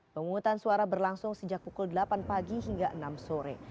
pemungutan suara berlangsung sejak pukul delapan pagi hingga enam sore